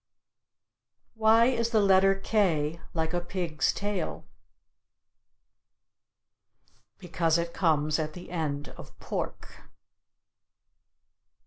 Why is the letter "k" like a pig's tail? Because it comes at the end of pork.